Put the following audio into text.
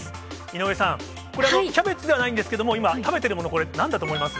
井上さん、これ、キャベツではないんですけれども、今、食べてるもの、なんだと思います？